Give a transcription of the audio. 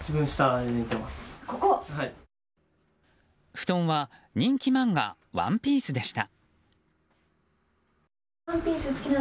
布団は人気漫画「ワンピース」でした。